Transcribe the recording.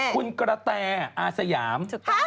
คุณกระแตอาสยาม